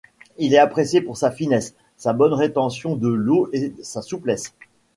Il est apprécié pour sa finesse, sa bonne rétention de l'eau et sa souplesse.